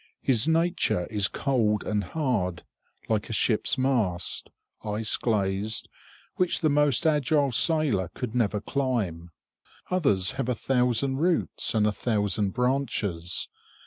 His nature is cold and hard, like a ship's mast, ice glazed, which the most agile sailor could never climb. Others have a thousand roots and a thousand branches.